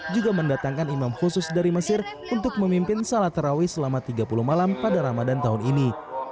juga mendatangkan imam khusus dari mesir untuk memimpin salat tarawih selama tiga puluh malam pada ramadan tahun ini